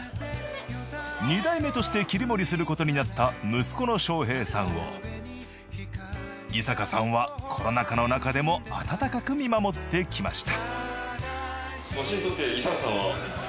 ２代目として切り盛りすることになった息子の祥平さんを伊坂さんはコロナ禍のなかでも温かく見守ってきました。